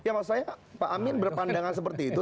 ya maksud saya pak amin berpandangan seperti itu